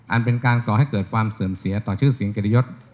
อันเป็นการก่อให้เกิดความเสื่อมเสียต่อชื่อเสียงเกียรติยศ